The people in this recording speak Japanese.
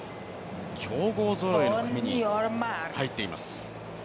強豪ぞろいの組に入っています。